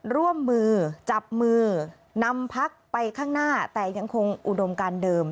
ร่วมมือจับมือนำพักไปข้างหน้าแต่ยังคงอุดมการเดิม